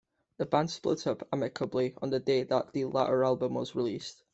The band split up amicably on the day that the latter album was released.